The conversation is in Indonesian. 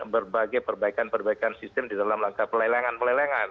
berbagai perbaikan perbaikan sistem di dalam langkah pelelengan pelelengan